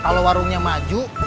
kalau warungnya maju